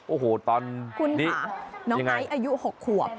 โอ้โหตอนคุณค่ะน้องไอซ์อายุ๖ขวบ